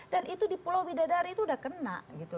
dan itu di pulau bidadari itu sudah kena